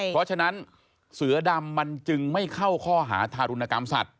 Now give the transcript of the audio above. เพราะฉะนั้นเสือดำมันจึงไม่เข้าข้อหาทารุณกรรมสัตว